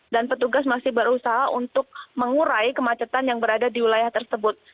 dan petugas masih berusaha untuk mengurai kemacetan yang berada di wilayah tersebut